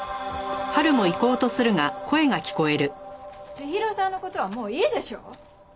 千尋さんの事はもういいでしょ？